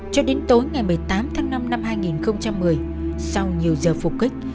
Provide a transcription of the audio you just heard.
cho đến tối ngày một mươi tám tháng năm năm hai nghìn một mươi sau nhiều giờ phục kích